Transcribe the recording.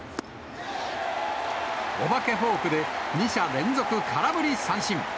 お化けフォークで２者連続空振り三振。